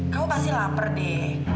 kamu pasti lapar dik